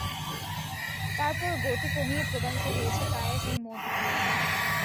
তারপর গতি কমিয়ে প্রবাহিত হয়েছে কায়েস এর মধ্যে দিয়ে।